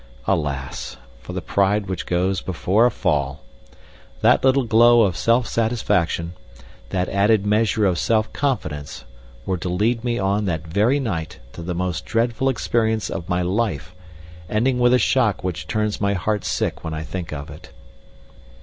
Alas! for the pride which goes before a fall! That little glow of self satisfaction, that added measure of self confidence, were to lead me on that very night to the most dreadful experience of my life, ending with a shock which turns my heart sick when I think of it.